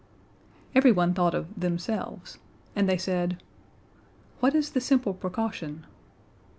Everyone thought of themselves and they said, "What is the simple precaution?"